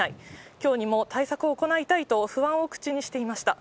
きょうにも対策を行いたいと、不安を口にしていました。